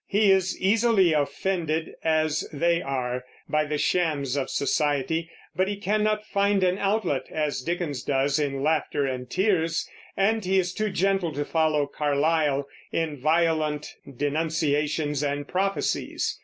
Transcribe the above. He is easily offended, as they are, by the shams of society; but he cannot find an outlet, as Dickens does, in laughter and tears, and he is too gentle to follow Carlyle in violent denunciations and prophecies.